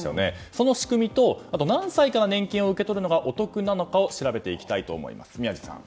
その仕組みと、あと何歳から年金を受け取るのがお得なのかを調べていきたいと思います。